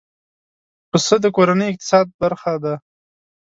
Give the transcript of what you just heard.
پسه د کورنۍ اقتصاد برخه ده.